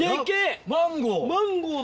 マンゴー！